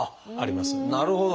なるほど。